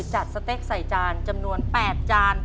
สเต็กใส่จานจำนวน๘จาน